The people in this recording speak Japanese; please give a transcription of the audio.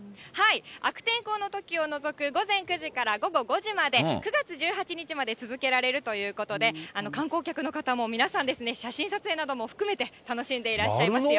悪天候のときを除く午前９時から午後５時まで、９月１８日まで続けられるということで、観光客の方も皆さんですね、写真撮影なども含めて、楽しんでいらっしゃいますよ。